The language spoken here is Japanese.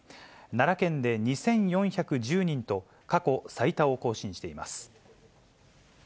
奈良県で２４１０人と、過去最多を更新しています。